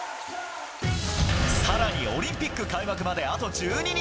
更に、オリンピック開幕まであと１２日。